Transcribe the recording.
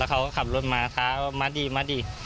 แล้วเขาก็ขับรถมาท้าว่ามาดี